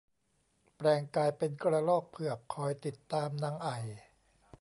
แปลงกายเป็นกระรอกเผือกคอยติดตามนางไอ่